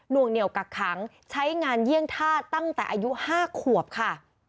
วงเหนียวกักขังใช้งานเยี่ยงท่าตั้งแต่อายุ๕ขวบค่ะ